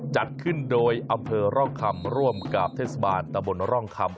จัดขึ้นโดยอำเภอร่องคำร่วมกับเทศบาลตะบนร่องคำ